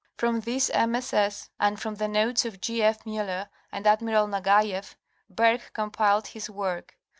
From this MSS and from the notes of G. F. Miller and Admiral Nagaieff, Bergh compiled his work.